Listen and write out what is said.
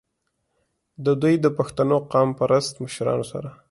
د دوي د پښتنو قام پرست مشرانو سره